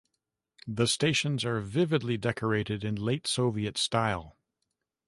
The stations are vividly decorated in late-Soviet style.